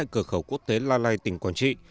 cửa khẩu quốc tế la lây tỉnh quảng trị